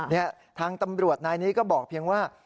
นี่ทางตำรวจนายนี้ก็บอกเพียงว่า